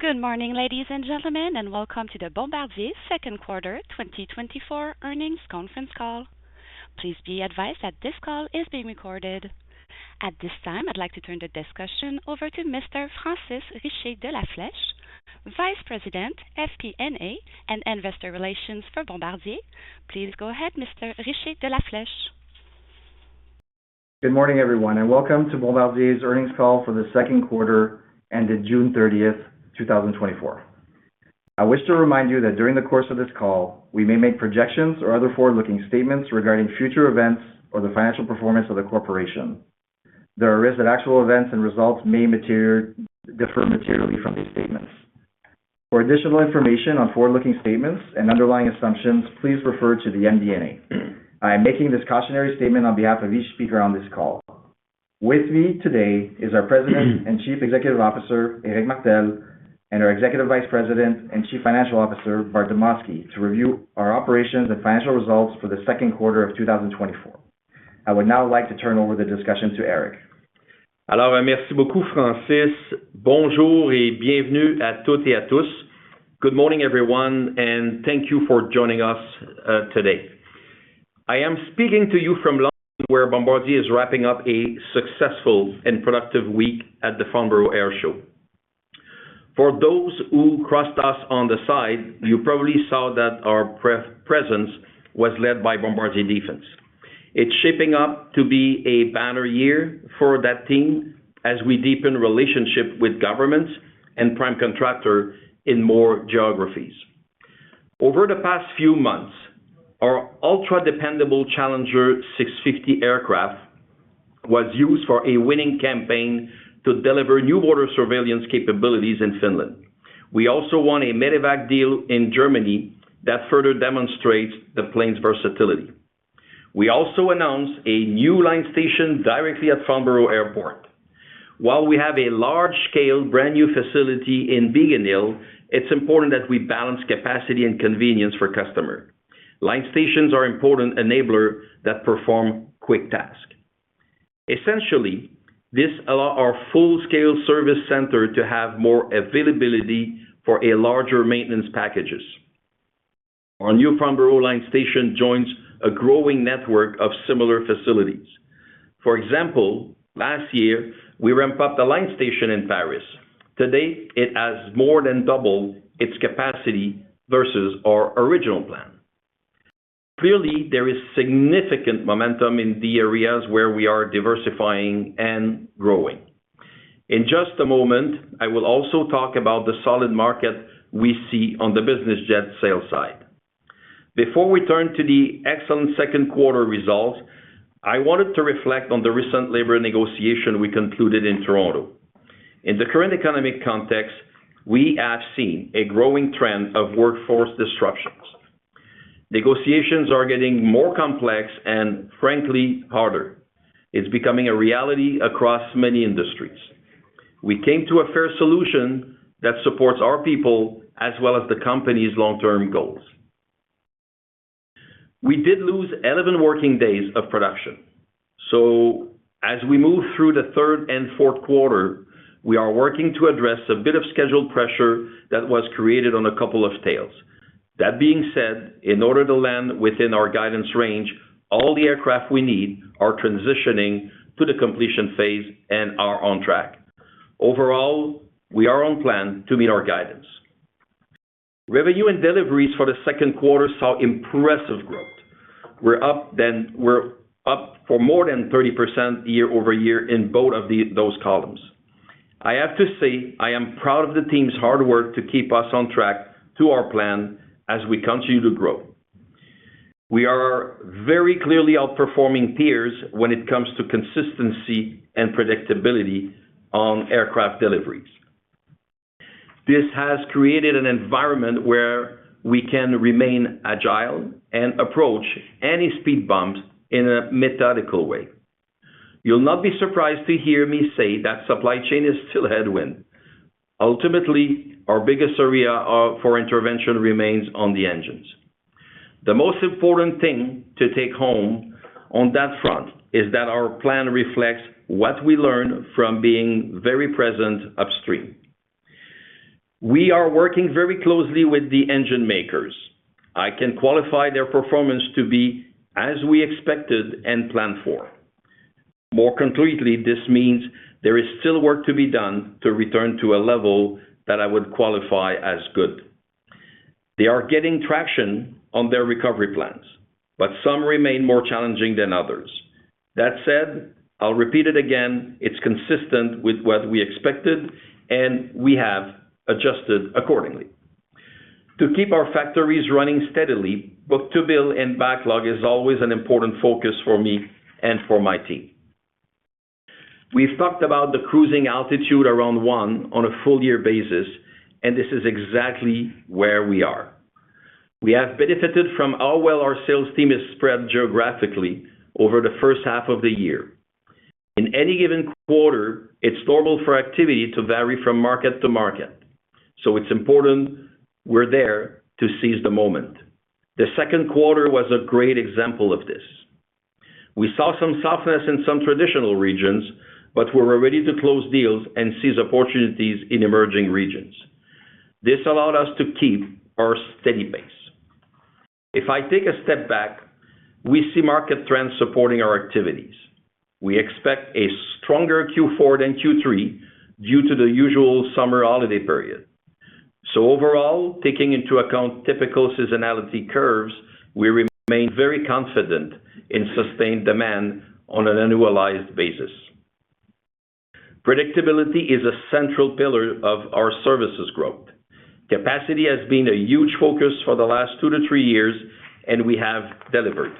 Good morning, ladies and gentlemen, and welcome to the Bombardier Q2 2024 Earnings Conference Call. Please be advised that this call is being recorded. At this time, I'd like to turn the discussion over to Mr. Francis Richer de La Flèche, Vice President, FP&A and Investor Relations for Bombardier. Please go ahead, Mr. Richer de La Flèche. Good morning, everyone, and welcome to Bombardier's earnings call for the Q2 ended June 30, 2024. I wish to remind you that during the course of this call, we may make projections or other forward-looking statements regarding future events or the financial performance of the corporation. There are risks that actual events and results may materially differ materially from these statements. For additional information on forward-looking statements and underlying assumptions, please refer to the MD&A. I am making this cautionary statement on behalf of each speaker on this call. With me today is our President and Chief Executive Officer, Éric Martel, and our Executive Vice President and Chief Financial Officer, Bart Demosky, to review our operations and financial results for the Q2 of 2024. I would now like to turn over the discussion to Éric. Alors merci beaucoup, Francis. Bonjour, et bienvenue à toutes et à tous. Good morning, everyone, and thank you for joining us, today. I am speaking to you from London, where Bombardier is wrapping up a successful and productive week at the Farnborough Air Show. For those who crossed us on the side, you probably saw that our presence was led by Bombardier Defense. It's shaping up to be a banner year for that team as we deepen relationship with governments and prime contractor in more geographies. Over the past few months, our ultra-dependable Challenger 650 aircraft was used for a winning campaign to deliver new border surveillance capabilities in Finland. We also won a medevac deal in Germany that further demonstrates the plane's versatility. We also announced a new line station directly at Farnborough Airport. While we have a large-scale, brand-new facility in Biggin Hill, it's important that we balance capacity and convenience for customers. Line stations are important enablers that perform quick tasks. Essentially, this allows our full-scale service center to have more availability for larger maintenance packages. Our new Farnborough line station joins a growing network of similar facilities. For example, last year, we ramped up the line station in Paris. Today, it has more than doubled its capacity versus our original plan. Clearly, there is significant momentum in the areas where we are diversifying and growing. In just a moment, I will also talk about the solid market we see on the business jet sales side. Before we turn to the excellent Q2 results, I wanted to reflect on the recent labor negotiation we concluded in Toronto. In the current economic context, we have seen a growing trend of workforce disruptions. Negotiations are getting more complex and frankly, harder. It's becoming a reality across many industries. We came to a fair solution that supports our people as well as the company's long-term goals. We did lose 11 working days of production. So as we move through the third and Q4, we are working to address a bit of scheduled pressure that was created on a couple of tails. That being said, in order to land within our guidance range, all the aircraft we need are transitioning to the completion phase and are on track. Overall, we are on plan to meet our guidance. Revenue and deliveries for the Q2 saw impressive growth. We're up more than 30% year-over-year in both of those columns. I have to say, I am proud of the team's hard work to keep us on track to our plan as we continue to grow. We are very clearly outperforming peers when it comes to consistency and predictability on aircraft deliveries. This has created an environment where we can remain agile and approach any speed bumps in a methodical way. You'll not be surprised to hear me say that supply chain is still a headwind. Ultimately, our biggest area for intervention remains on the engines. The most important thing to take home on that front is that our plan reflects what we learn from being very present upstream. We are working very closely with the engine makers. I can qualify their performance to be as we expected and planned for. More concretely, this means there is still work to be done to return to a level that I would qualify as good. They are getting traction on their recovery plans, but some remain more challenging than others. That said, I'll repeat it again, it's consistent with what we expected, and we have adjusted accordingly. To keep our factories running steadily, book-to-bill and backlog is always an important focus for me and for my team. We've talked about the cruising altitude around one on a full year basis, and this is exactly where we are. We have benefited from how well our sales team is spread geographically over the first half of the year. In any given quarter, it's normal for activity to vary from market to market, so it's important we're there to seize the moment. The Q2 was a great example of this. We saw some softness in some traditional regions, but we were ready to close deals and seize opportunities in emerging regions. This allowed us to keep our steady pace. If I take a step back, we see market trends supporting our activities. We expect a stronger Q4 than Q3 due to the usual summer holiday period. So overall, taking into account typical seasonality curves, we remain very confident in sustained demand on an annualized basis. Predictability is a central pillar of our services growth. Capacity has been a huge focus for the last 2 to 3 years, and we have delivered.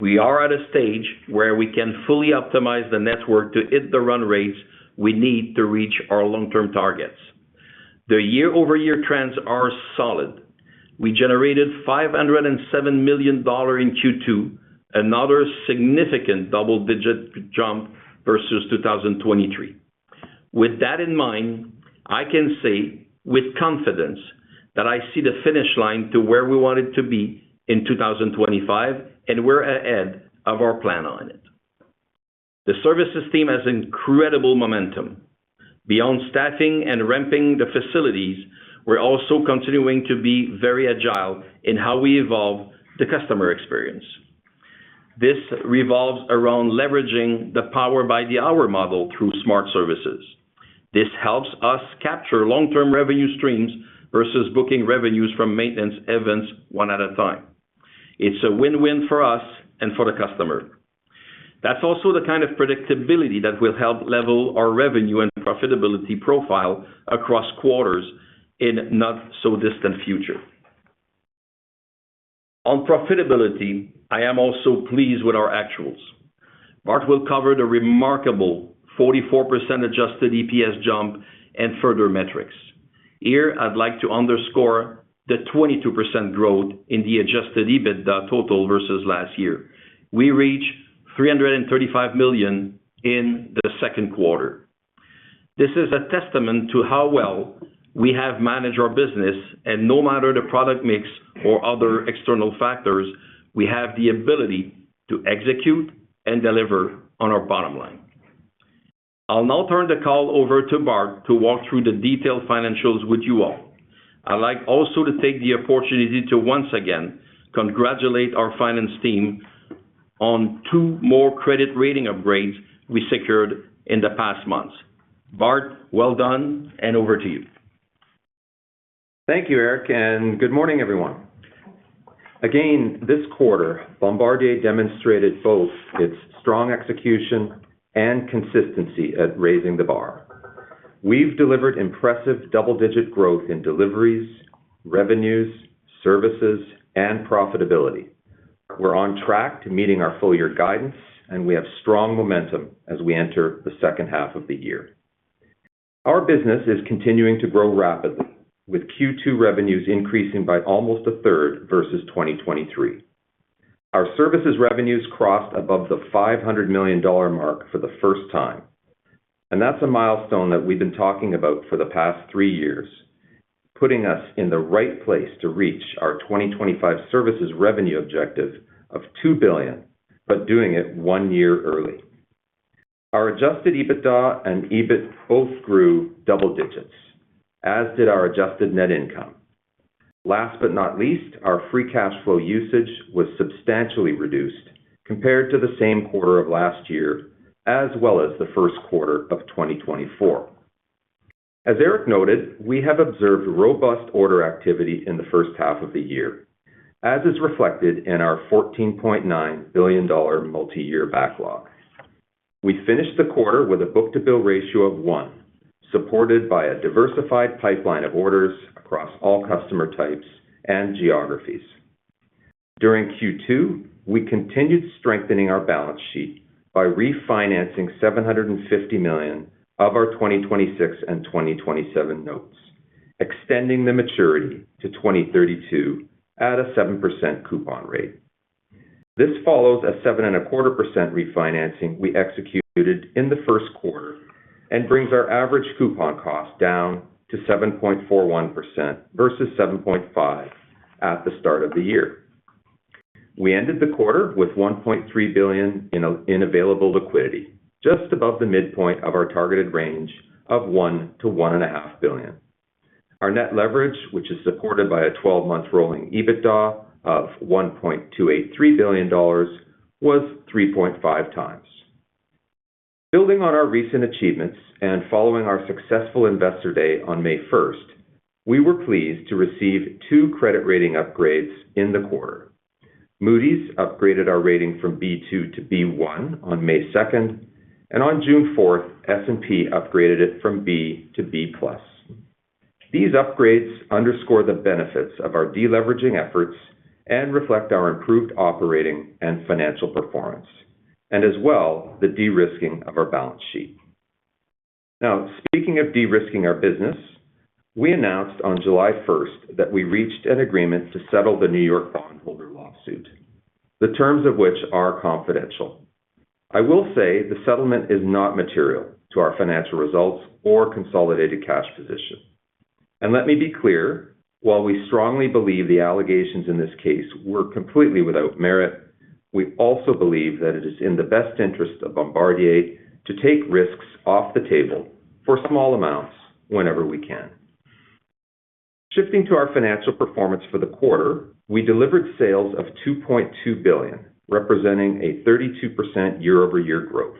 We are at a stage where we can fully optimize the network to hit the run rates we need to reach our long-term targets. The year-over-year trends are solid. We generated $507 million in Q2, another significant double-digit jump versus 2023. With that in mind, I can say with confidence that I see the finish line to where we wanted to be in 2025, and we're ahead of our plan on it. The services team has incredible momentum. Beyond staffing and ramping the facilities, we're also continuing to be very agile in how we evolve the customer experience. This revolves around leveraging the Power by the Hour model through Smart Services. This helps us capture long-term revenue streams versus booking revenues from maintenance events one at a time. It's a win-win for us and for the customer. That's also the kind of predictability that will help level our revenue and profitability profile across quarters in not so distant future. On profitability, I am also pleased with our actuals. Bart will cover the remarkable 44% Adjusted EPS jump and further metrics. Here, I'd like to underscore the 22% growth in the Adjusted EBITDA total versus last year. We reached $335 million in the Q2. This is a testament to how well we have managed our business, and no matter the product mix or other external factors, we have the ability to execute and deliver on our bottom line. I'll now turn the call over to Bart to walk through the detailed financials with you all. I'd like also to take the opportunity to once again congratulate our finance team on 2 more credit rating upgrades we secured in the past months. Bart, well done, and over to you. Thank you, Éric, and good morning, everyone. Again, this quarter, Bombardier demonstrated both its strong execution and consistency at raising the bar. We've delivered impressive double-digit growth in deliveries, revenues, services, and profitability. We're on track to meeting our full year guidance, and we have strong momentum as we enter the second half of the year. Our business is continuing to grow rapidly, with Q2 revenues increasing by almost a third versus 2023. Our services revenues crossed above the $500 million mark for the first time, and that's a milestone that we've been talking about for the past three years, putting us in the right place to reach our 2025 services revenue objective of $2 billion, but doing it one year early. Our Adjusted EBITDA and EBIT both grew double digits, as did our Adjusted Net Income. Last but not least, our free cash flow usage was substantially reduced compared to the same quarter of last year, as well as the Q1 of 2024. As Eric noted, we have observed robust order activity in the first half of the year, as is reflected in our $14.9 billion multi-year backlog. We finished the quarter with a book-to-bill ratio of 1, supported by a diversified pipeline of orders across all customer types and geographies. During Q2, we continued strengthening our balance sheet by refinancing $750 million of our 2026 and 2027 notes, extending the maturity to 2032 at a 7% coupon rate. This follows a 7.25% refinancing we executed in the Q1 and brings our average coupon cost down to 7.41% versus 7.5% at the start of the year. We ended the quarter with $1.3 billion in available liquidity, just above the midpoint of our targeted range of $1 billion-$1.5 billion. Our net leverage, which is supported by a 12-month rolling EBITDA of $1.283 billion, was 3.5 times. Building on our recent achievements and following our successful Investor Day on May first, we were pleased to receive two credit rating upgrades in the quarter. Moody's upgraded our rating from B2 to B1 on May second, and on June fourth, S&P upgraded it from B to B+. These upgrades underscore the benefits of our deleveraging efforts and reflect our improved operating and financial performance, and as well, the de-risking of our balance sheet. Now, speaking of de-risking our business, we announced on July first that we reached an agreement to settle the New York bondholder lawsuit, the terms of which are confidential. I will say the settlement is not material to our financial results or consolidated cash position. And let me be clear, while we strongly believe the allegations in this case were completely without merit, we also believe that it is in the best interest of Bombardier to take risks off the table for small amounts whenever we can. Shifting to our financial performance for the quarter, we delivered sales of $2.2 billion, representing a 32% year-over-year growth.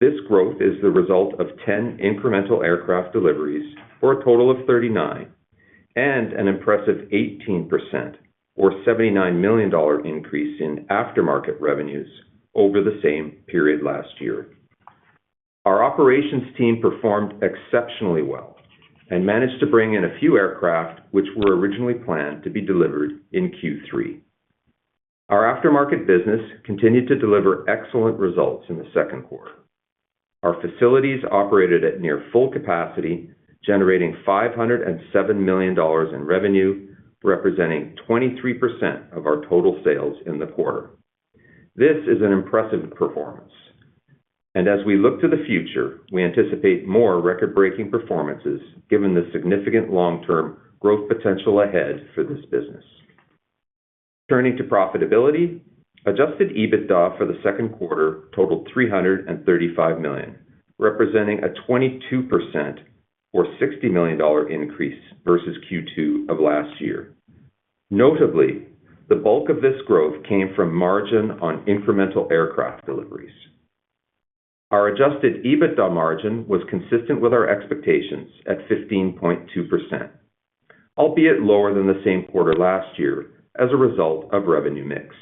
This growth is the result of 10 incremental aircraft deliveries, for a total of 39, and an impressive 18% or $79 million increase in aftermarket revenues over the same period last year. Our operations team performed exceptionally well and managed to bring in a few aircraft, which were originally planned to be delivered in Q3. Our aftermarket business continued to deliver excellent results in the Q2. Our facilities operated at near full capacity, generating $507 million in revenue, representing 23% of our total sales in the quarter. This is an impressive performance, and as we look to the future, we anticipate more record-breaking performances, given the significant long-term growth potential ahead for this business. Turning to profitability, adjusted EBITDA for the Q2 totaled $335 million, representing a 22% or $60 million increase versus Q2 of last year. Notably, the bulk of this growth came from margin on incremental aircraft deliveries. Our adjusted EBITDA margin was consistent with our expectations at 15.2%, albeit lower than the same quarter last year as a result of revenue mix.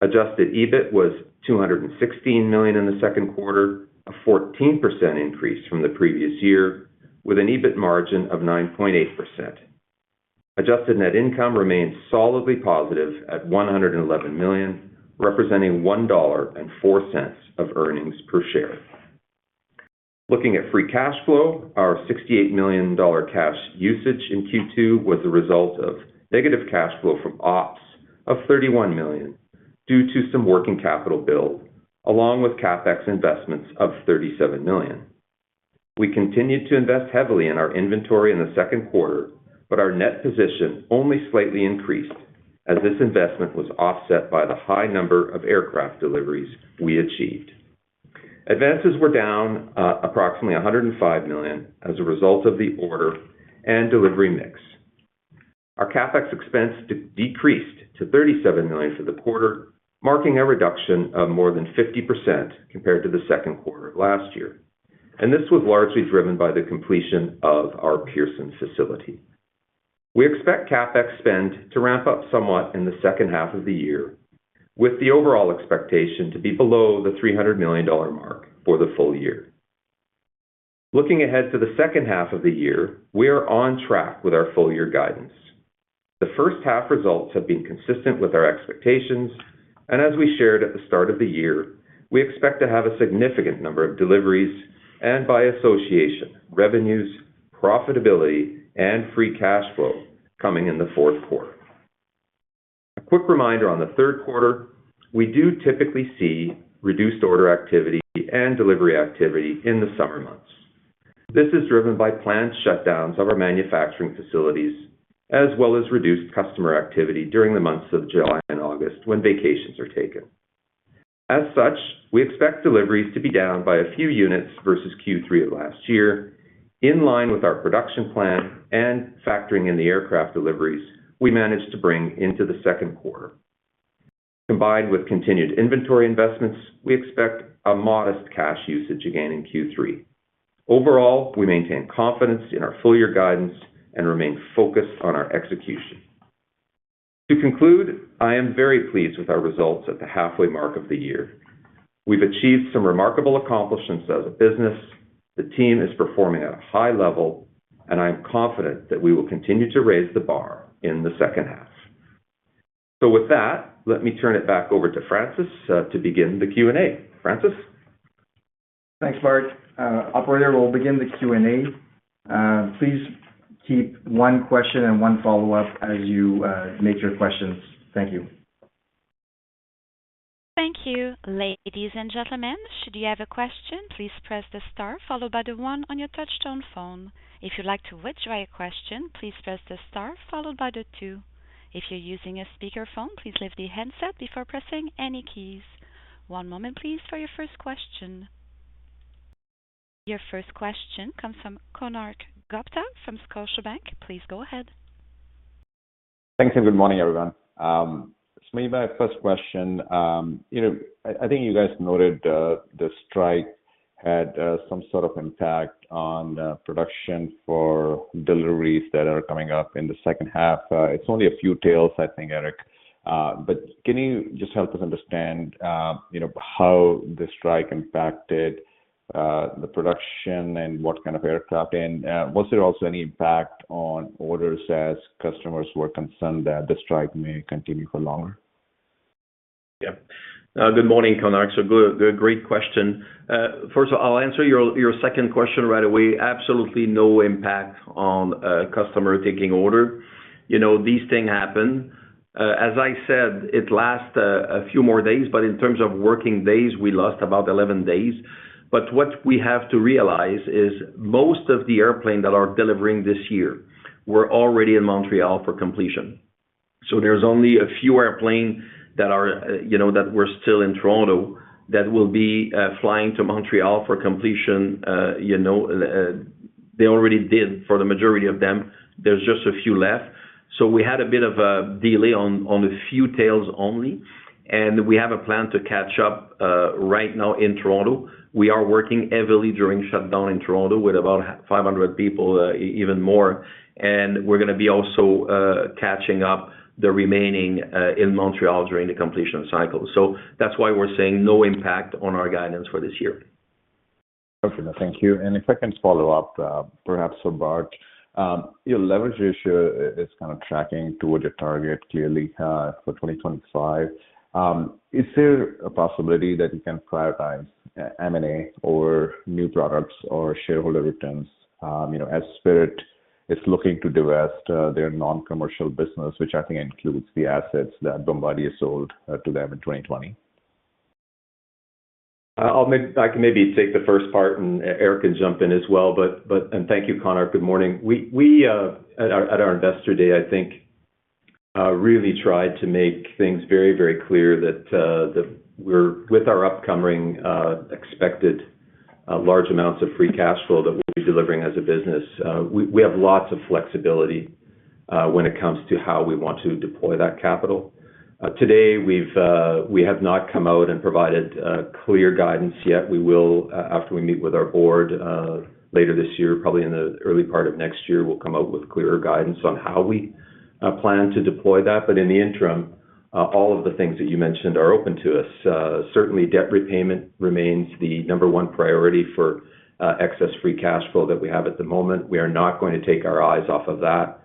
Adjusted EBIT was $216 million in the Q2, a 14% increase from the previous year, with an EBIT margin of 9.8%. Adjusted net income remains solidly positive at $111 million, representing $1.04 of earnings per share. Looking at free cash flow, our $68 million cash usage in Q2 was a result of negative cash flow from ops of $31 million, due to some working capital build, along with CapEx investments of $37 million. We continued to invest heavily in our inventory in the Q2, but our net position only slightly increased, as this investment was offset by the high number of aircraft deliveries we achieved. Advances were down approximately $105 million as a result of the order and delivery mix. Our CapEx expense decreased to $37 million for the quarter, marking a reduction of more than 50% compared to the Q2 of last year, and this was largely driven by the completion of our Pearson facility. We expect CapEx spend to ramp up somewhat in the second half of the year, with the overall expectation to be below the $300 million mark for the full year. Looking ahead to the second half of the year, we are on track with our full year guidance. The first half results have been consistent with our expectations, and as we shared at the start of the year, we expect to have a significant number of deliveries and by association, revenues, profitability, and free cash flow coming in the Q4. A quick reminder on the Q3, we do typically see reduced order activity and delivery activity in the summer months. This is driven by planned shutdowns of our manufacturing facilities, as well as reduced customer activity during the months of July and August, when vacations are taken. As such, we expect deliveries to be down by a few units versus Q3 of last year, in line with our production plan and factoring in the aircraft deliveries we managed to bring into the Q2. Combined with continued inventory investments, we expect a modest cash usage again in Q3. Overall, we maintain confidence in our full year guidance and remain focused on our execution. To conclude, I am very pleased with our results at the halfway mark of the year. We've achieved some remarkable accomplishments as a business. The team is performing at a high level, and I am confident that we will continue to raise the bar in the second half. So with that, let me turn it back over to Francis to begin the Q&A. Francis? Thanks, Bart. Operator, we'll begin the Q&A. Please keep one question and one follow-up as you make your questions. Thank you. Thank you. Ladies and gentlemen, should you have a question, please press the star followed by the one on your touchtone phone. If you'd like to withdraw your question, please press the star followed by the two. If you're using a speakerphone, please lift the handset before pressing any keys. One moment, please, for your first question. Your first question comes from Konark Gupta from Scotiabank. Please go ahead. Thank you, and good morning, everyone. So maybe my first question, you know, I, I think you guys noted the strike had some sort of impact on production for deliveries that are coming up in the second half. It's only a few tails, I think, Eric. But can you just help us understand, you know, how the strike impacted the production and what kind of aircraft? And was there also any impact on orders as customers were concerned that the strike may continue for longer? Yeah. Good morning, Konark. So good, good, great question. First, I'll answer your second question right away. Absolutely no impact on customer taking order. You know, these things happen as I said, it lasts a few more days, but in terms of working days, we lost about 11 days. But what we have to realize is most of the airplane that are delivering this year were already in Montreal for completion. So there's only a few airplane that are, you know, that were still in Toronto, that will be flying to Montreal for completion, you know, they already did for the majority of them. There's just a few left. So we had a bit of a delay on a few tails only, and we have a plan to catch up right now in Toronto. We are working heavily during shutdown in Toronto with about 500 people, even more. And we're gonna be also catching up the remaining in Montreal during the completion cycle. That's why we're saying no impact on our guidance for this year. Okay, thank you. And if I can follow up, perhaps for Bart. Your leverage issue is kind of tracking toward the target clearly, for 2025. Is there a possibility that you can prioritize, M&A or new products or shareholder returns, you know, as Spirit AeroSystems is looking to divest, their non-commercial business, which I think includes the assets that Bombardier sold, to them in 2020? I can maybe take the first part, and Eric can jump in as well. But and thank you, Konark. Good morning. We at our Investor Day, I think really tried to make things very, very clear that we're with our upcoming expected large amounts of free cash flow that we'll be delivering as a business, we have lots of flexibility when it comes to how we want to deploy that capital. Today, we have not come out and provided clear guidance yet. We will, after we meet with our board later this year, probably in the early part of next year, we'll come out with clearer guidance on how we plan to deploy that. But in the interim, all of the things that you mentioned are open to us. Certainly, debt repayment remains the number one priority for excess free cash flow that we have at the moment. We are not going to take our eyes off of that.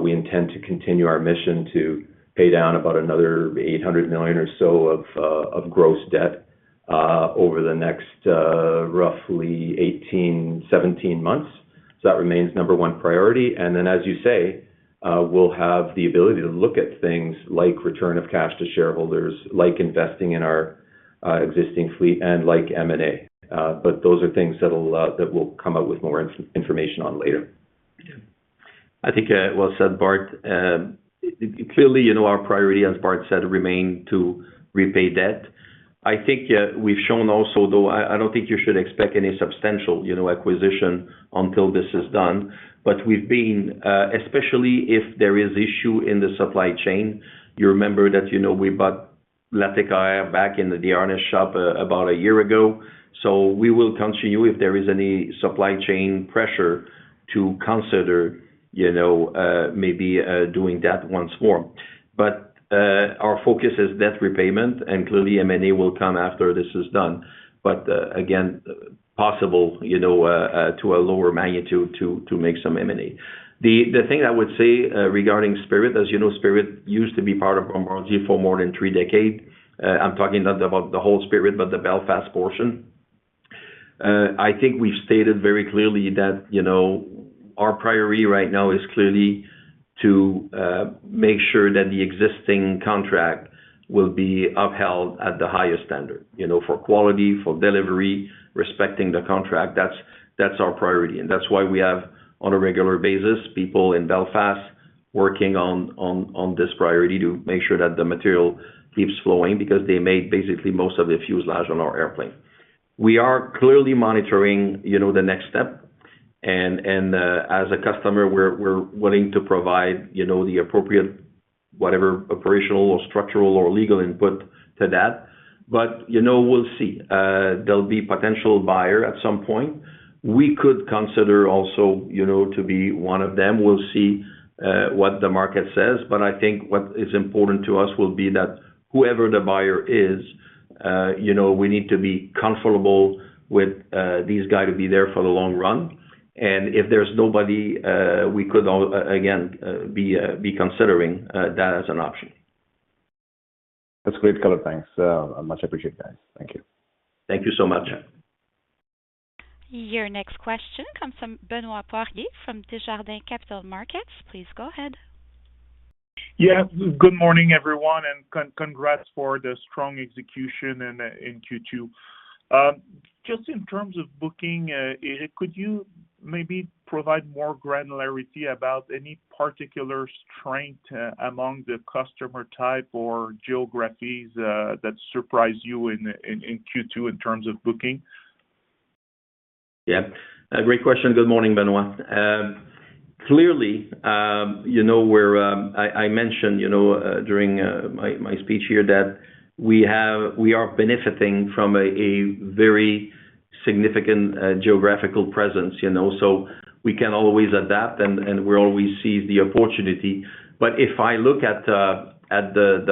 We intend to continue our mission to pay down about another $800 million or so of gross debt over the next roughly 18, 17 months. So that remains number one priority. And then, as you say, we'll have the ability to look at things like return of cash to shareholders, like investing in our existing fleet and like M&A. But those are things that we'll come out with more information on later. I think, well said, Bart. Clearly, you know, our priority, as Bart said, remain to repay debt. I think, we've shown also, though, I, I don't think you should expect any substantial, you know, acquisition until this is done. But we've been, especially if there is issue in the supply chain, you remember that, you know, we bought Latécoère back in the harness shop about a year ago. So we will continue, if there is any supply chain pressure, to consider, you know, maybe, doing that once more. But, our focus is debt repayment, and clearly M&A will come after this is done. But, again, possible, you know, to a lower magnitude to, to make some M&A. The thing I would say, regarding Spirit AeroSystems, as you know, Spirit AeroSystems used to be part of Bombardier for more than three decades. I'm talking not about the whole Spirit AeroSystems, but the Belfast portion. I think we've stated very clearly that, you know, our priority right now is clearly to make sure that the existing contract will be upheld at the highest standard, you know, for quality, for delivery, respecting the contract. That's our priority, and that's why we have, on a regular basis, people in Belfast working on this priority to make sure that the material keeps flowing, because they make basically most of the fuselage on our airplane. We are clearly monitoring, you know, the next step, and, as a customer, we're willing to provide, you know, the appropriate, whatever operational or structural or legal input to that. But, you know, we'll see. There'll be potential buyer at some point. We could consider also, you know, to be one of them. We'll see what the market says. But I think what is important to us will be that whoever the buyer is, you know, we need to be comfortable with, these guys to be there for the long run. And if there's nobody, we could again be considering that as an option. That's great, color. Thanks. I much appreciate that. Thank you. Thank you so much. Your next question comes from Benoit Poirier, from Desjardins Capital Markets. Please go ahead. Yeah, good morning, everyone, and congrats for the strong execution in Q2. Just in terms of booking, could you maybe provide more granularity about any particular strength among the customer type or geographies that surprise you in Q2 in terms of booking? Yeah, a great question. Good morning, Benoit. Clearly, you know, we're. I mentioned, you know, during my speech here, that we are benefiting from a very significant geographical presence, you know, so we can always adapt, and we always seize the opportunity. But if I look at the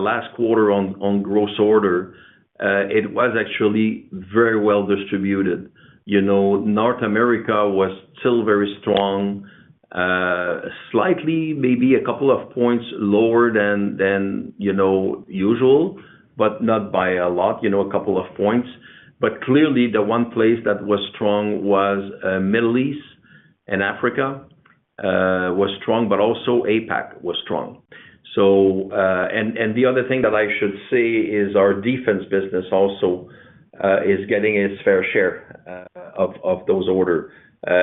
last quarter on gross order, it was actually very well distributed. You know, North America was still very strong, slightly, maybe a couple of points lower than you know usual, but not by a lot, you know, a couple of points. But clearly, the one place that was strong was Middle East and Africa was strong, but also APAC was strong. So, and the other thing that I should say is our defense business also is getting its fair share of those orders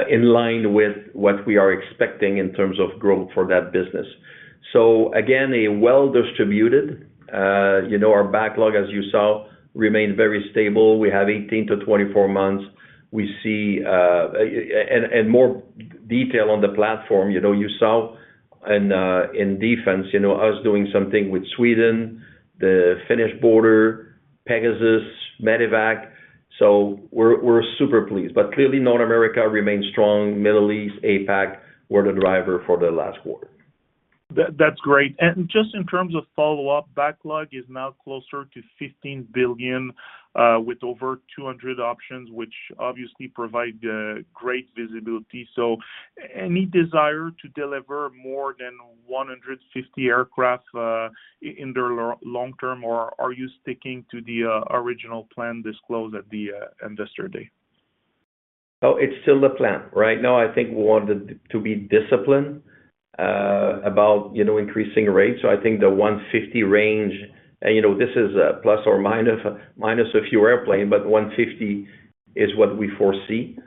in line with what we are expecting in terms of growth for that business. So again, a well-distributed, you know, our backlog, as you saw, remained very stable. We have 18-24 months. We see, and more detail on the platform. You know, you saw in defense, you know, us doing something with Sweden, the Finnish border, Pegasus, MEDEVAC. So we're super pleased. But clearly, North America remains strong. Middle East, APAC, were the driver for the last quarter. That's great. And just in terms of follow-up, backlog is now closer to $15 billion with over 200 options, which obviously provide great visibility. So any desire to deliver more than 150 aircraft in the long term, or are you sticking to the original plan disclosed at the Investor Day? Oh, it's still the plan. Right now, I think we want it to be disciplined about, you know, increasing rates. So I think the 150 range, and, you know, this is a plus or minus a few airplanes, but 150 is what we foresee.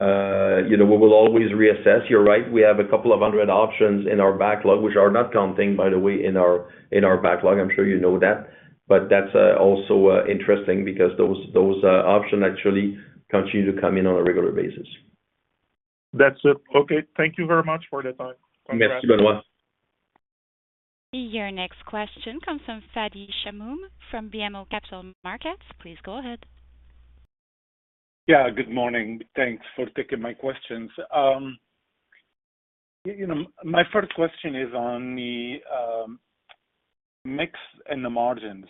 You know, we will always reassess. You're right, we have 200 options in our backlog, which are not counting, by the way, in our backlog. I'm sure you know that. But that's also interesting because those options actually continue to come in on a regular basis. That's it. Okay. Thank you very much for the time. Merci beaucoup. Your next question comes from Fadi Chamoun, from BMO Capital Markets. Please go ahead. Yeah, good morning. Thanks for taking my questions. You know, my first question is on the mix and the margins.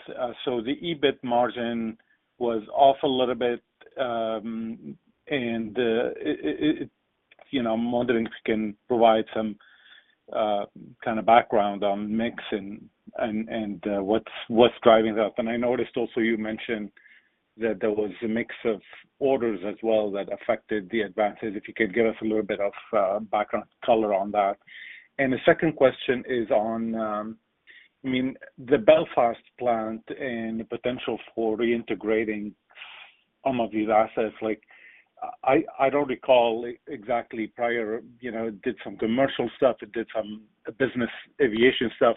So the EBIT margin was off a little bit, and it, you know, modeling can provide some kind of background on mix and what's driving it up. And I noticed also you mentioned that there was a mix of orders as well that affected the advances. If you could give us a little bit of background color on that. And the second question is on, I mean, the Belfast plant and the potential for reintegrating some of these assets, like, I don't recall exactly prior, you know, did some commercial stuff, it did some business aviation stuff.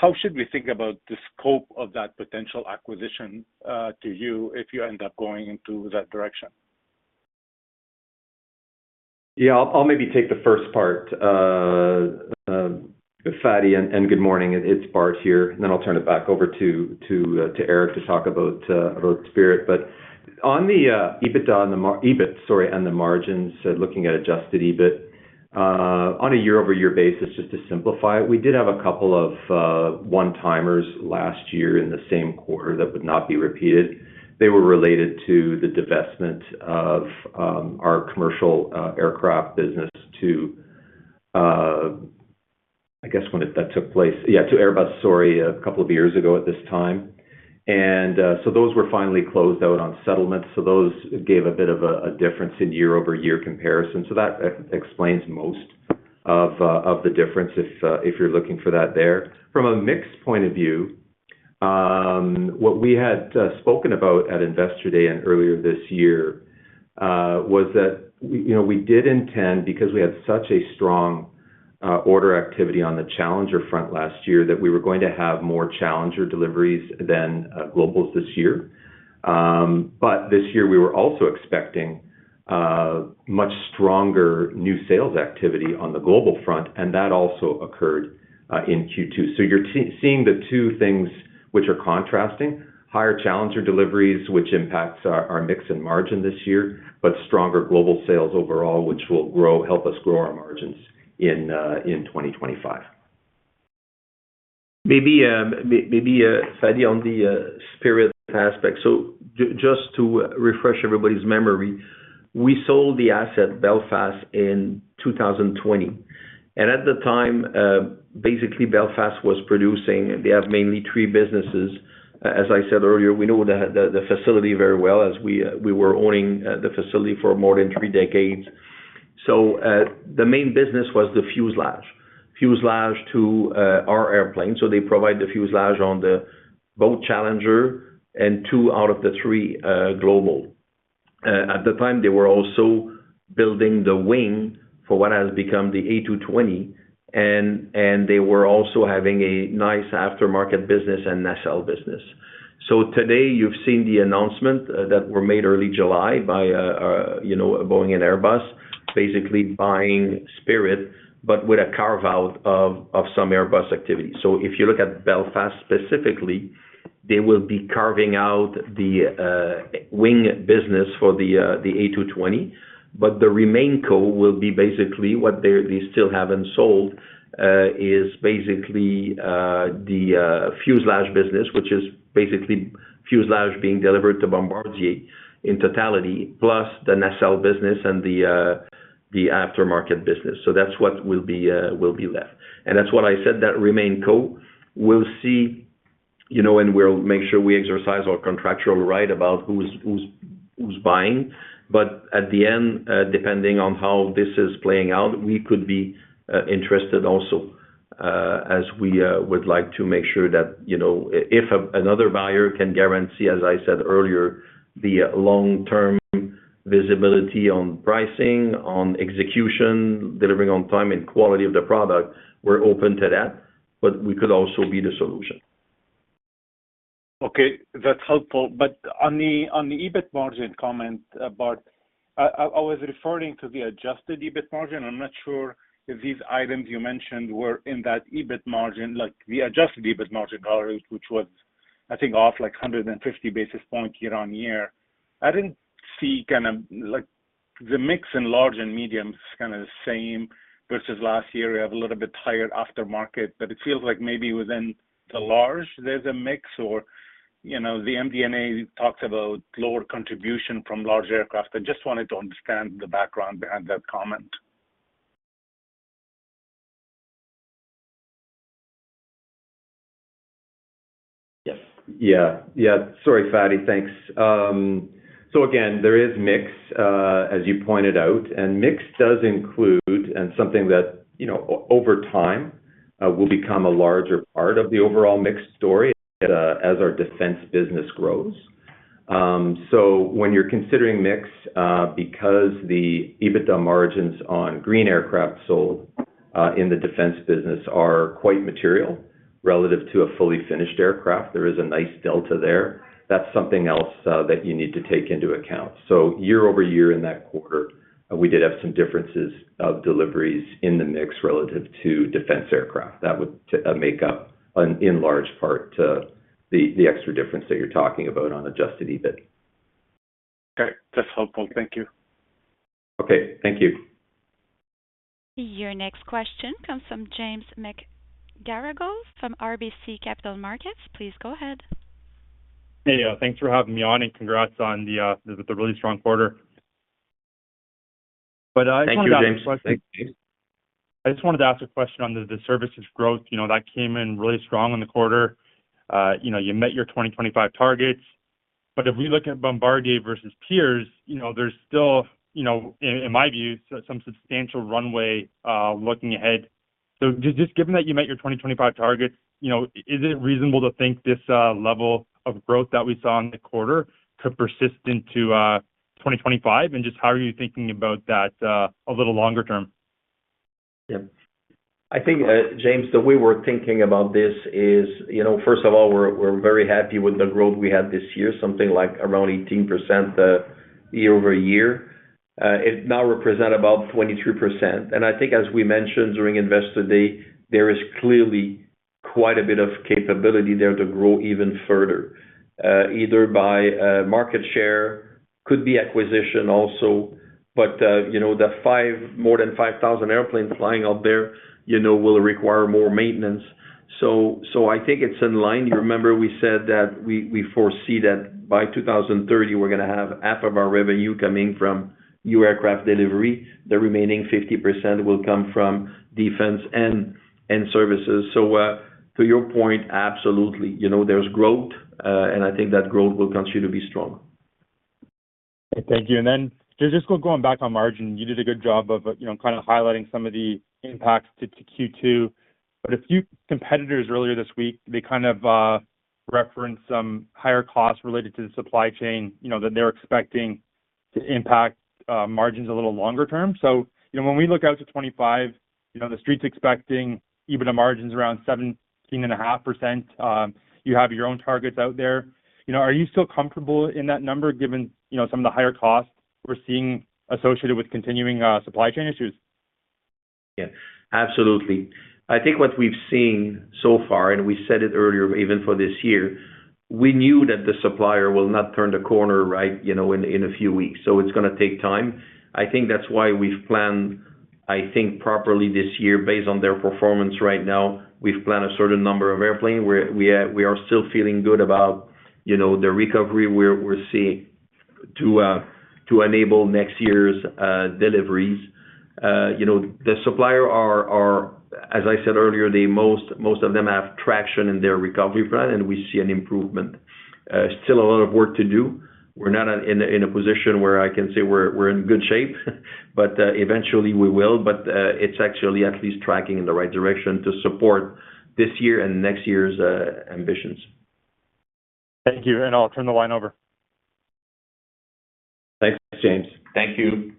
How should we think about the scope of that potential acquisition, to you, if you end up going into that direction? Yeah, I'll maybe take the first part, Fadi, and good morning. It's Bart here, and then I'll turn it back over to Eric to talk about Spirit AeroSystems. But on the EBITDA and the mar-- EBIT, sorry, and the margins, looking at adjusted EBIT on a year-over-year basis, just to simplify it, we did have a couple of one-timers last year in the same quarter that would not be repeated. They were related to the divestment of our commercial aircraft business to I guess when that took place. Yeah, to Airbus, sorry, a couple of years ago at this time. And so those were finally closed out on settlements, so those gave a bit of a difference in year-over-year comparison. So that explains most of the difference, if you're looking for that there. From a mix point of view, what we had spoken about at Investor Day and earlier this year was that, you know, we did intend, because we had such a strong order activity on the Challenger front last year, that we were going to have more Challenger deliveries than Globals this year. But this year we were also expecting much stronger new sales activity on the Global front, and that also occurred in Q2. So you're seeing the two things which are contrasting: higher Challenger deliveries, which impacts our mix and margin this year, but stronger Global sales overall, which will help us grow our margins in 2025. Maybe, Fadi, on the Spirit AeroSystems aspect. So just to refresh everybody's memory, we sold the asset Belfast in 2020, and at the time, basically Belfast was producing, they have mainly three businesses. As I said earlier, we know the facility very well as we were owning the facility for more than three decades. So the main business was the fuselage. Fuselage to our airplane, so they provide the fuselage on the both Challenger and two out of the three Global. At the time, they were also building the wing for what has become the A220, and they were also having a nice aftermarket business and nacelle business. So today, you've seen the announcement that were made early July by, you know, Boeing and Airbus, basically buying Spirit AeroSystems, but with a carve-out of, of some Airbus activity. So if you look at Belfast specifically, they will be carving out the, wing business for the, the A220, but the RemainCo will be basically what they, they still haven't sold, is basically, the, fuselage business, which is basically fuselage being delivered to Bombardier in totality, plus the nacelle business and the, the aftermarket business. So that's what will be, will be left. And that's what I said, that RemainCo, we'll see you know, and we'll make sure we exercise our contractual right about who's, who's, who's buying. But at the end, depending on how this is playing out, we could be interested also, as we would like to make sure that, you know, if another buyer can guarantee, as I said earlier, the long-term visibility on pricing, on execution, delivering on time and quality of the product, we're open to that, but we could also be the solution. Okay, that's helpful. But on the EBIT margin comment about—I was referring to the adjusted EBIT margin. I'm not sure if these items you mentioned were in that EBIT margin, like the adjusted EBIT margin dollar, which was, I think, off like 150 basis points year-on-year. I didn't see kind of like the mix in large and medium is kind of the same versus last year. We have a little bit higher aftermarket, but it feels like maybe within the large, there's a mix or, you know, the MD&A talks about lower contribution from large aircraft. I just wanted to understand the background behind that comment. Yes. Yeah. Yeah. Sorry, Fadi. Thanks. So again, there is mix, as you pointed out, and mix does include, and something that, you know, over time, will become a larger part of the overall mix story as, as our defense business grows. So when you're considering mix, because the EBITDA margins on green aircraft sold, in the defense business are quite material relative to a fully finished aircraft, there is a nice delta there. That's something else, that you need to take into account. So year-over-year in that quarter, we did have some differences of deliveries in the mix relative to defense aircraft. That would make up an enlarged part to the, the extra difference that you're talking about on adjusted EBIT. Okay. That's helpful. Thank you. Okay. Thank you. Your next question comes from James McGarragle from RBC Capital Markets. Please go ahead. Hey, thanks for having me on, and congrats on the, the really strong quarter. But I just wanted to ask a question, I just wanted to ask a question on the services growth. You know, that came in really strong in the quarter. You know, you met your 2025 targets, but if we look at Bombardier versus peers, you know, there's still, you know, in, in my view, some substantial runway, looking ahead. So just, just given that you met your 2025 targets, you know, is it reasonable to think this, level of growth that we saw in the quarter could persist into, 2025? And just how are you thinking about that, a little longer term? Yeah. I think, James, the way we're thinking about this is, you know, first of all, we're, we're very happy with the growth we had this year, something like around 18%, year-over-year. It now represent about 23%. And I think as we mentioned during Investor Day, there is clearly quite a bit of capability there to grow even further, either by market share, could be acquisition also. But, you know, the more than 5,000 airplanes flying out there, you know, will require more maintenance. So, I think it's in line. You remember we said that we, we foresee that by 2030, we're gonna have 50% of our revenue coming from new aircraft delivery. The remaining 50% will come from defense and services. So, to your point, absolutely. You know, there's growth, and I think that growth will continue to be strong. Thank you. Then just, just going back on margin, you did a good job of, you know, kind of highlighting some of the impacts to Q2. But a few competitors earlier this week, they kind of referenced some higher costs related to the supply chain, you know, that they're expecting to impact margins a little longer term. So, you know, when we look out to 25, you know, The Street's expecting EBITDA margins around 17.5%. You have your own targets out there. You know, are you still comfortable in that number, given, you know, some of the higher costs we're seeing associated with continuing supply chain issues? Yeah, absolutely. I think what we've seen so far, and we said it earlier, even for this year, we knew that the supplier will not turn the corner right, you know, in a few weeks, so it's gonna take time. I think that's why we've planned, I think, properly this year based on their performance right now. We've planned a certain number of airplanes, where we are still feeling good about, you know, the recovery we're seeing to enable next year's deliveries. You know, the supplier are—as I said earlier, the most of them have traction in their recovery plan, and we see an improvement. Still a lot of work to do. We're not in a position where I can say we're in good shape, but eventually we will. It's actually at least tracking in the right direction to support this year and next year's ambitions. Thank you, and I'll turn the line over. Thanks, James. Thank you.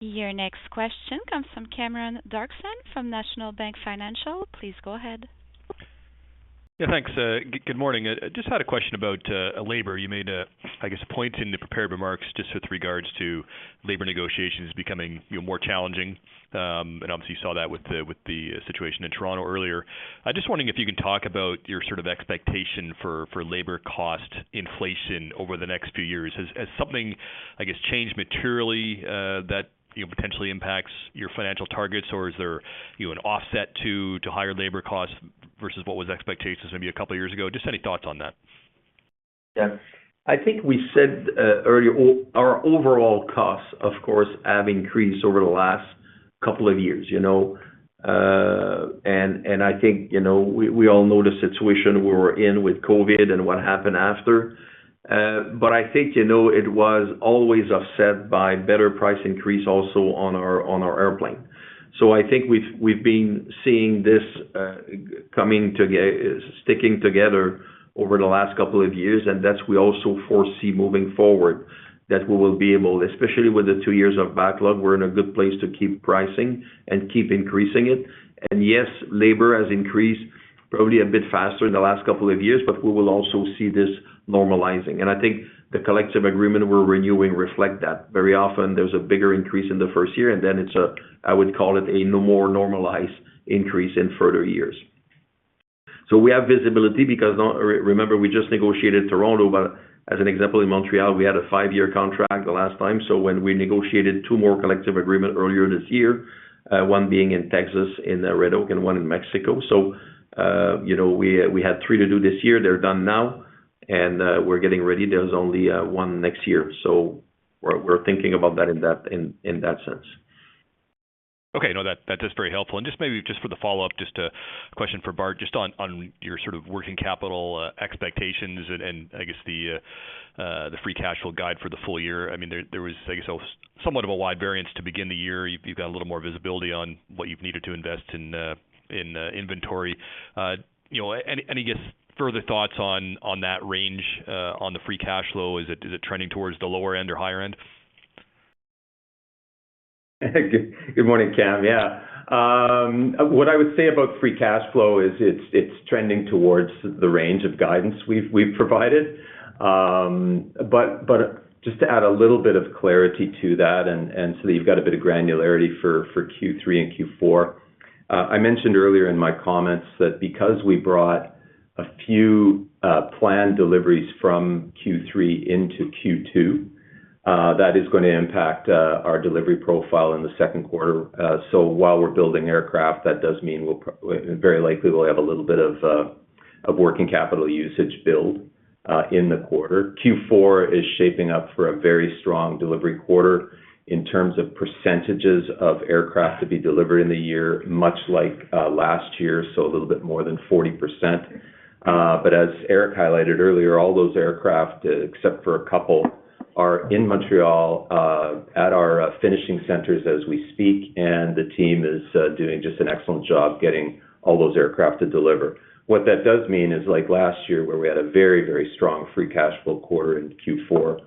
Your next question comes from Cameron Doerksen from National Bank Financial. Please go ahead. Yeah, thanks. Good morning. I just had a question about labor. You made a, I guess, a point in the prepared remarks just with regards to labor negotiations becoming, you know, more challenging. And obviously, you saw that with the situation in Toronto earlier. I just wondering if you can talk about your sort of expectation for labor cost inflation over the next few years. Has something, I guess, changed materially that, you know, potentially impacts your financial targets, or is there, you know, an offset to higher labor costs versus what was the expectations maybe a couple of years ago? Just any thoughts on that? Yeah, I think we said earlier, our overall costs, of course, have increased over the last couple of years, you know. And I think, you know, we all know the situation we're in with COVID and what happened after. But I think, you know, it was always offset by better price increase also on our airplane. So I think we've been seeing this coming together - sticking together over the last couple of years, and that we also foresee moving forward, that we will be able, especially with the two years of backlog, we're in a good place to keep pricing and keep increasing it. And yes, labor has increased probably a bit faster in the last couple of years, but we will also see this normalizing. And I think the collective agreement we're renewing reflect that. Very often, there's a bigger increase in the first year, and then it's a, I would call it a more normalized increase in further years. So we have visibility because remember, we just negotiated Toronto, but as an example, in Montreal, we had a five-year contract the last time. So when we negotiated two more collective agreement earlier this year, one being in Texas, in Red Oak, and one in Mexico. So, you know, we had three to do this year. They're done now, and we're getting ready. There's only one next year, so we're thinking about that in that sense. Okay, no, that, that is very helpful. And just maybe just for the follow-up, just a question for Bart, just on, on your sort of working capital, expectations and, and I guess the, the free cash flow guide for the full year. I mean, there, there was, I guess, somewhat of a wide variance to begin the year. You've, you've got a little more visibility on what you've needed to invest in, in, inventory. You know, any, any, I guess, further thoughts on, on that range, on the free cash flow? Is it, is it trending towards the lower end or higher end? Good morning, Cam. Yeah. What I would say about free cash flow is it's trending towards the range of guidance we've provided. But just to add a little bit of clarity to that and so that you've got a bit of granularity for Q3 and Q4. I mentioned earlier in my comments that because we brought a few planned deliveries from Q3 into Q2, that is going to impact our delivery profile in the Q2. So while we're building aircraft, that does mean we'll very likely have a little bit of working capital usage build in the quarter. Q4 is shaping up for a very strong delivery quarter in terms of percentages of aircraft to be delivered in the year, much like last year, so a little bit more than 40%. But as Eric highlighted earlier, all those aircraft, except for a couple, are in Montreal at our finishing centers as we speak, and the team is doing just an excellent job getting all those aircraft to deliver. What that does mean is, like last year, where we had a very, very strong free cash flow quarter in Q4,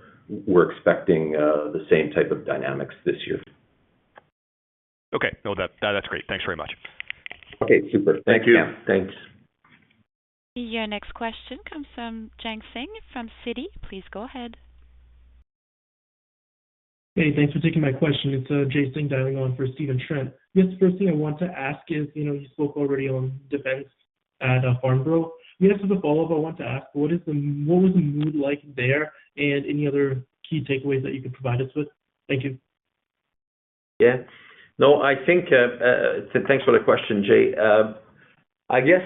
we're expecting the same type of dynamics this year. Okay. No, that, that's great. Thanks very much. Okay, super. Thank you. Thanks. Your next question comes from Jag Singh from Citi. Please go ahead. Hey, thanks for taking my question. It's Jay Singh, dialing on for Stephen Trent. The first thing I want to ask is, you know, you spoke already on defense at Farnborough. As a follow-up, I want to ask, what was the mood like there and any other key takeaways that you could provide us with? Thank you. Yeah. No, I think, so thanks for the question, Jag. I guess,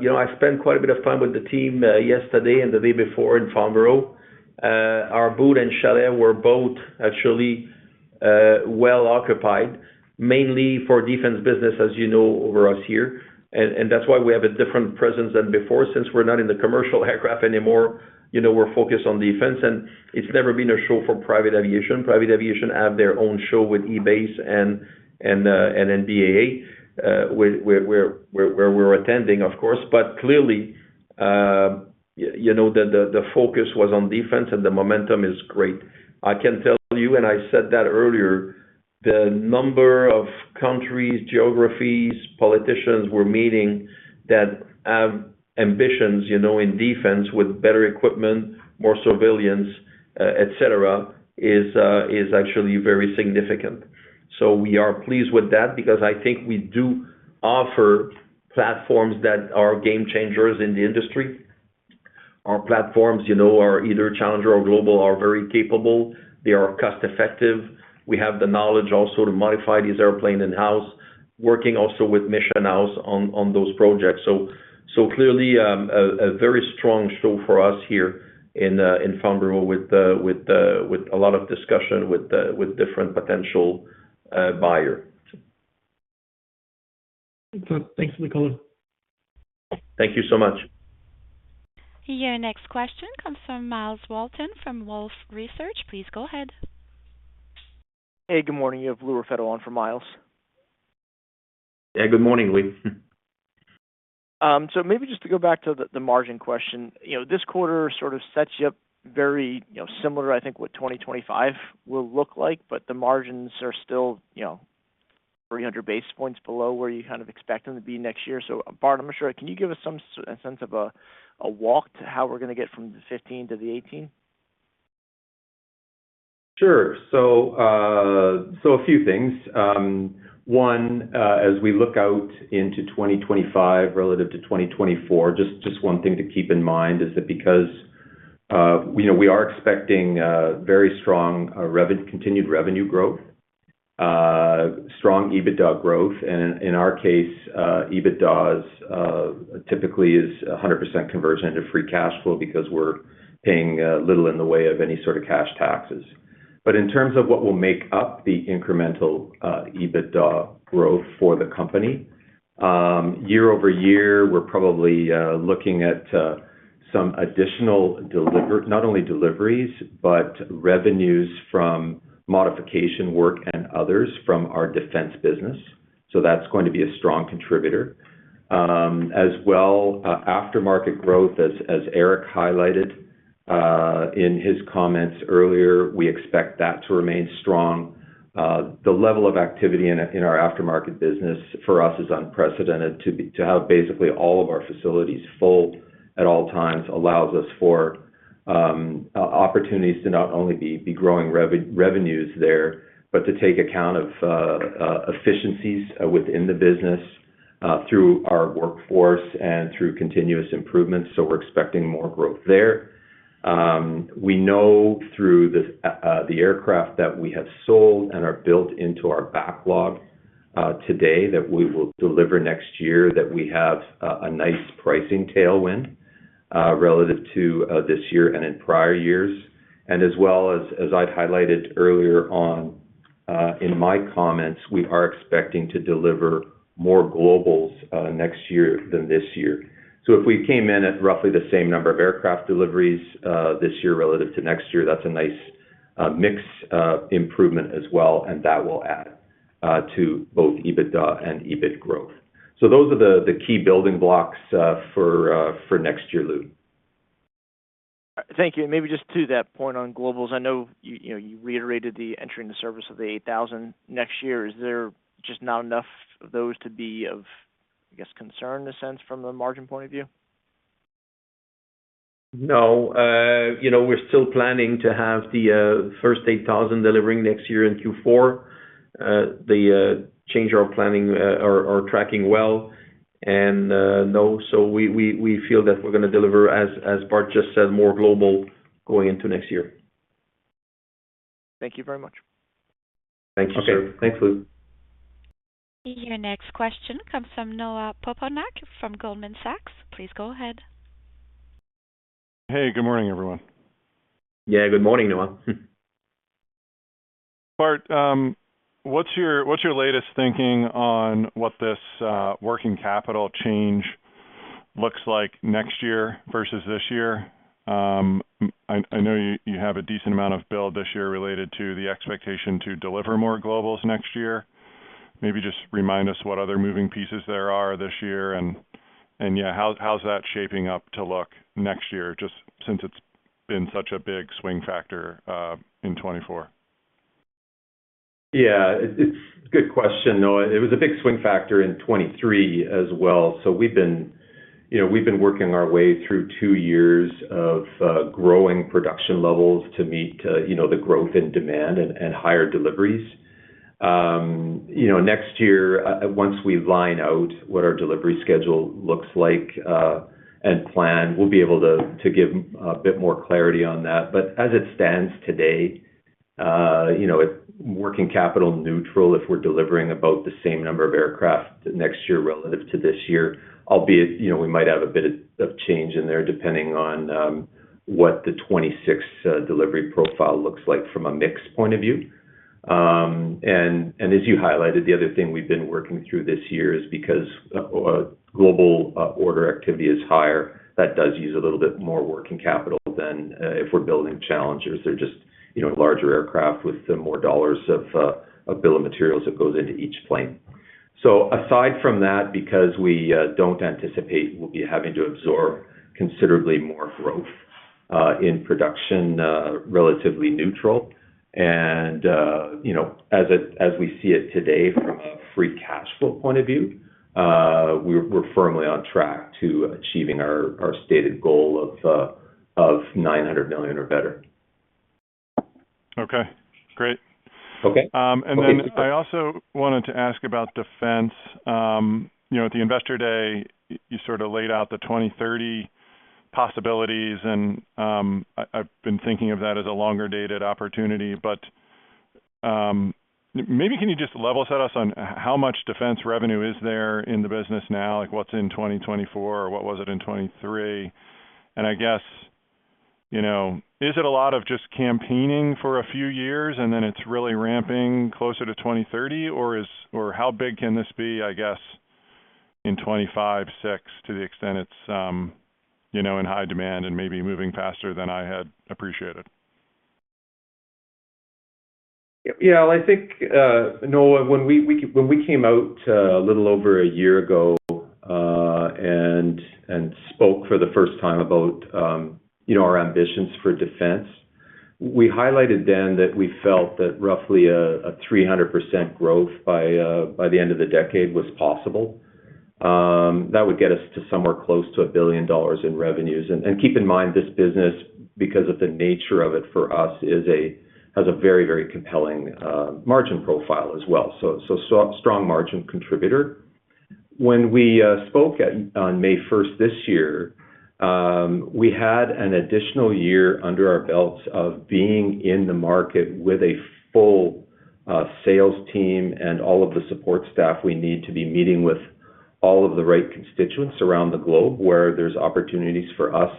you know, I spent quite a bit of time with the team, yesterday and the day before in Farnborough. Our booth and chalet were both actually, well occupied, mainly for defense business, as you know, over us here. And that's why we have a different presence than before. Since we're not in the commercial aircraft anymore, you know, we're focused on defense, and it's never been a show for private aviation. Private aviation have their own show with EBACE and NBAA, where we're attending, of course. But clearly, you know, the focus was on defense, and the momentum is great. I can tell you, and I said that earlier, the number of countries, geographies, politicians we're meeting that have ambitions, you know, in defense with better equipment, more civilians, et cetera, is actually very significant. So we are pleased with that because I think we do offer platforms that are game changers in the industry. Our platforms, you know, are either Challenger or Global, are very capable. They are cost-effective. We have the knowledge also to modify this airplane in-house, working also with mission house on those projects. So clearly, a very strong show for us here in Farnborough with a lot of discussion with different potential buyer. Thanks for the call. Thank you so much. Your next question comes from Miles Walton from Wolfe Research. Please go ahead. Hey, good morning. You have Lou Raffetto on for Miles. Yeah, good morning, Lou. So maybe just to go back to the margin question. You know, this quarter sort of sets you up very, you know, similar, I think, what 2025 will look like, but the margins are still, you know, 300 basis points below where you kind of expect them to be next year. So Bart, I'm not sure, can you give us some sense of a walk to how we're gonna get from the 15% to the 18%? Sure. So, a few things. One, as we look out into 2025 relative to 2024, just one thing to keep in mind is that because, we, you know, we are expecting very strong continued revenue growth, strong EBITDA growth. And in our case, EBITDA's typically is 100% conversion into free cash flow because we're paying little in the way of any sort of cash taxes. But in terms of what will make up the incremental EBITDA growth for the company, year-over-year, we're probably looking at some additional, not only deliveries, but revenues from modification work and others from our defense business. So that's going to be a strong contributor. As well, aftermarket growth, as Eric highlighted in his comments earlier, we expect that to remain strong. The level of activity in our aftermarket business for us is unprecedented. To have basically all of our facilities full at all times allows us for opportunities to not only be growing revenues there, but to take account of efficiencies within the business through our workforce and through continuous improvements. So we're expecting more growth there. We know through this the aircraft that we have sold and are built into our backlog today that we will deliver next year that we have a nice pricing tailwind relative to this year and in prior years. As well as, as I'd highlighted earlier on, in my comments, we are expecting to deliver more Globals next year than this year. So if we came in at roughly the same number of aircraft deliveries this year relative to next year, that's a nice mix improvement as well, and that will add to both EBITDA and EBIT growth. So those are the key building blocks for next year, Lou. Thank you. Maybe just to that point on Globals, I know you, you know, you reiterated the entering the service of the 8000 next year. Is there just not enough of those to be of, I guess, concern, in a sense, from the margin point of view? No. You know, we're still planning to have the first 8000 delivering next year in Q4. The changes to our planning are tracking well, and so we feel that we're gonna deliver, as Bart just said, more Global going into next year. Thank you very much. Thank you, sir. Okay. Thanks, Lou. Your next question comes from Noah Poponak from Goldman Sachs. Please go ahead. Hey, good morning, everyone. Yeah, good morning, Noah. Bart, what's your latest thinking on what this working capital change looks like next year versus this year? I know you have a decent amount of build this year related to the expectation to deliver more Globals next year. Maybe just remind us what other moving pieces there are this year, and yeah, how's that shaping up to look next year, just since it's been such a big swing factor in 2024? Yeah, it's a good question, Noah. It was a big swing factor in 2023 as well. So we've been, you know, we've been working our way through two years of growing production levels to meet, you know, the growth in demand and higher deliveries. You know, next year, once we line out what our delivery schedule looks like and plan, we'll be able to give a bit more clarity on that. But as it stands today, you know, it's working capital neutral if we're delivering about the same number of aircraft next year relative to this year. Albeit, you know, we might have a bit of change in there, depending on what the 2026 delivery profile looks like from a mix point of view. And as you highlighted, the other thing we've been working through this year is because Global order activity is higher. That does use a little bit more working capital than if we're building Challengers. They're just, you know, larger aircraft with some more dollars of a bill of materials that goes into each plane. So aside from that, because we don't anticipate we'll be having to absorb considerably more growth in production, relatively neutral, and you know, as we see it today from a free cash flow point of view, we're firmly on track to achieving our stated goal of $900 million or better. Okay, great. Okay. And then I also wanted to ask about defense. You know, at the Investor Day, you sort of laid out the 2030 possibilities, and, I, I've been thinking of that as a longer-dated opportunity, but, maybe can you just level set us on how much defense revenue is there in the business now? Like, what's in 2024, or what was it in 2023? And I guess, you know, is it a lot of just campaigning for a few years, and then it's really ramping closer to 2030, or is, or how big can this be, I guess, in 2025, 2026, to the extent it's, you know, in high demand and maybe moving faster than I had appreciated? Yeah, I think, Noah, when we came out a little over a year ago and spoke for the first time about, you know, our ambitions for defense, we highlighted then that we felt that roughly a 300% growth by the end of the decade was possible. That would get us to somewhere close to $1 billion in revenues. And keep in mind, this business, because of the nature of it for us, has a very, very compelling margin profile as well. So strong margin contributor. When we spoke on May 1 this year, we had an additional year under our belts of being in the market with a full sales team and all of the support staff we need to be meeting with all of the right constituents around the globe, where there's opportunities for us,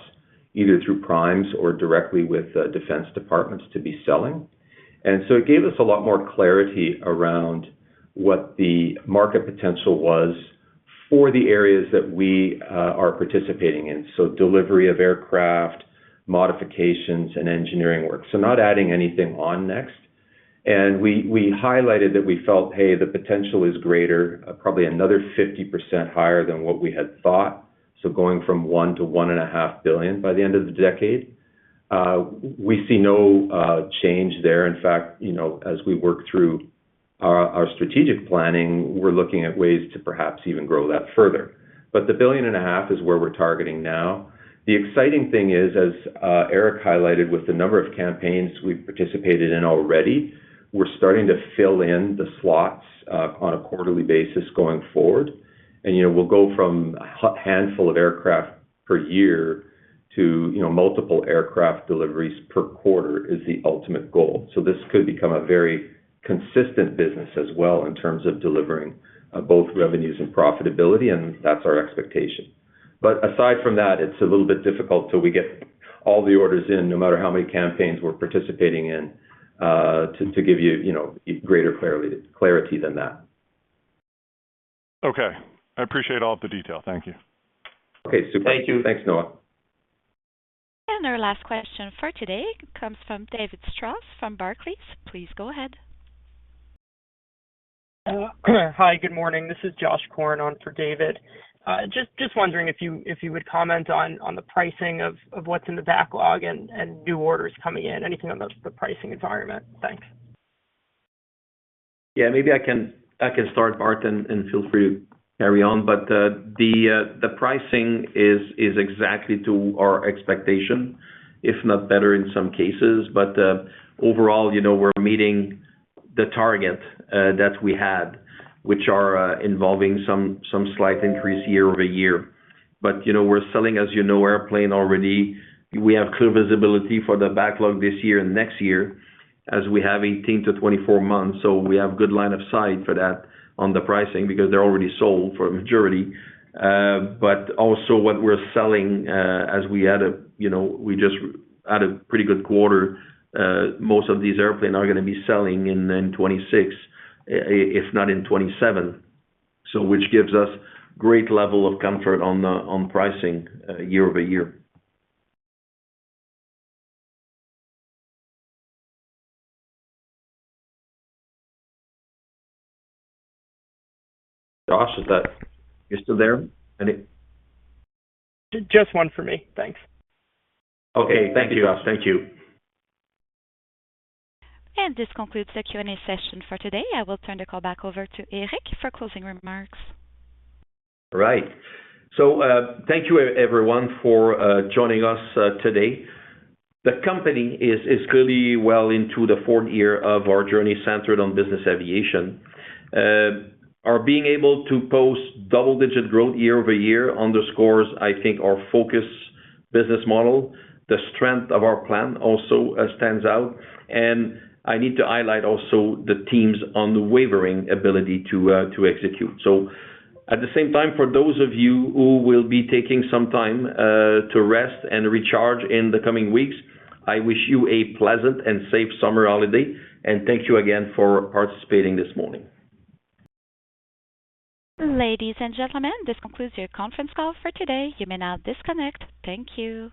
either through primes or directly with defense departments to be selling. It gave us a lot more clarity around what the market potential was for the areas that we are participating in. Delivery of aircraft, modifications, and engineering work. Not adding anything on next. We highlighted that we felt, hey, the potential is greater, probably another 50% higher than what we had thought, so going from $1 billion-$1.5 billion by the end of the decade. We see no change there. In fact, you know, as we work through our strategic planning, we're looking at ways to perhaps even grow that further. But the $1.5 billion is where we're targeting now. The exciting thing is, as Éric highlighted, with the number of campaigns we've participated in already, we're starting to fill in the slots on a quarterly basis going forward. And, you know, we'll go from a handful of aircraft per year to, you know, multiple aircraft deliveries per quarter is the ultimate goal. So this could become a very consistent business as well in terms of delivering both revenues and profitability, and that's our expectation. But aside from that, it's a little bit difficult till we get all the orders in, no matter how many campaigns we're participating in, to give you, you know, greater clarity than that. Okay. I appreciate all of the detail. Thank you. Okay, super. Thank you. Thanks, Noah. Our last question for today comes from David Strauss from Barclays. Please go ahead. Hi, good morning. This is Joshua Korn on for David. Just wondering if you would comment on the pricing of what's in the backlog and new orders coming in? Anything on the pricing environment. Thanks. Yeah, maybe I can start, Bart, and feel free to carry on. But the pricing is exactly to our expectation, if not better in some cases. But overall, you know, we're meeting the target that we had, which are involving some slight increase year-over-year. But you know, we're selling, as you know, airplane already. We have clear visibility for the backlog this year and next year, as we have 18-24 months, so we have good line of sight for that on the pricing, because they're already sold for majority. But also, what we're selling, as we add, you know, we just had a pretty good quarter. Most of these airplanes are gonna be selling in 2026, if not in 2027, so which gives us great level of comfort on the pricing, year-over-year. Josh, is that, You still there? Any- Just one for me. Thanks. Okay. Thank you, Josh. Thank you. This concludes the Q&A session for today. I will turn the call back over to Éric for closing remarks. Right. So, thank you everyone for joining us today. The company is clearly well into the fourth year of our journey centered on business aviation. Our being able to post double-digit growth year-over-year underscores, I think, our focused business model. The strength of our plan also stands out, and I need to highlight also the team's unwavering ability to execute. So at the same time, for those of you who will be taking some time to rest and recharge in the coming weeks, I wish you a pleasant and safe summer holiday, and thank you again for participating this morning. Ladies and gentlemen, this concludes your conference call for today. You may now disconnect. Thank you.